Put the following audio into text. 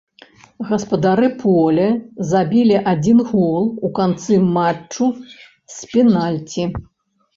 Гаспадары поля забілі адзін гол у канцы матчу з пенальці.